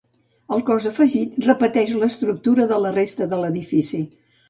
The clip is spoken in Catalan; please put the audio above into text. El cos afegit repeteix l'estructura de la resta de l'edifici.